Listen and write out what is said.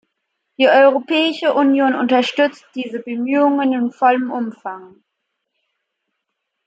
Die Europäische Union unterstützt diese Bemühungen in vollem Umfang.